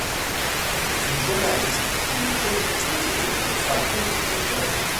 C'est une journaliste, une chroniqueuse et une femme politique grecque.